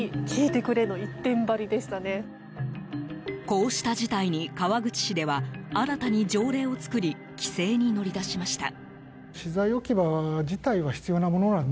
こうした事態に川口市では新たに条例を作り規制に乗り出しました。